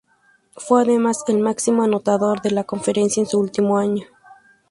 Fue además el máximo anotador de la conferencia en su último año.